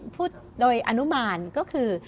พูดโดยอนุมานก็คือ